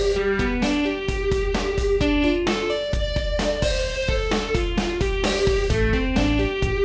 sebentar atuh bang